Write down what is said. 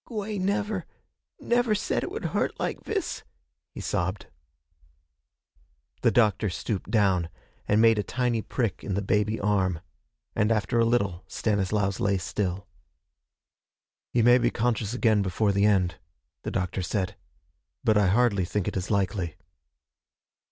'Gwey never never said it would hurt like vis,' he sobbed. The doctor stooped down and made a tiny prick in the baby arm, and after a little Stanislaus lay still. 'He may be conscious again before the end,' the doctor said, 'but I hardly think it is likely.'